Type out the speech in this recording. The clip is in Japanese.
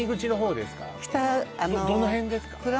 どの辺ですか？